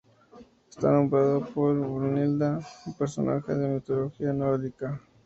Está nombrado por Brunilda, un personaje de la mitología nórdica.